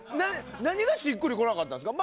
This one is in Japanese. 何がしっくりこなかったんですか？